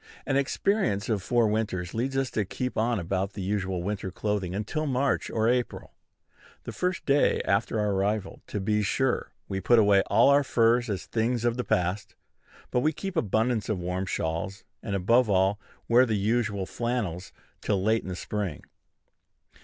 An experience of four winters leads us to keep on about the usual winter clothing until March or April. The first day after our arrival, to be sure, we put away all our furs as things of the past; but we keep abundance of warm shawls, and, above all, wear the usual flannels till late in the spring.